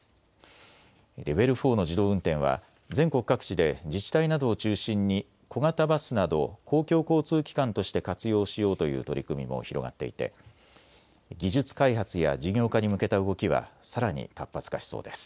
レベル４の自動運転は全国各地で自治体などを中心に小型バスなど公共交通機関として活用しようという取り組みも広がっていて技術開発や事業化に向けた動きはさらに活発化しそうです。